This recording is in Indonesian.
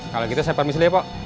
kalau gitu saya permisi dulu ya pok